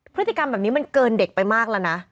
พฤติกรรมแบบนี้มันเกินเด็กไปมากแล้วนะ